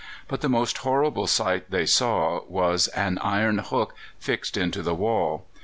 But the most horrible sight they saw was an iron hook fixed into the wall.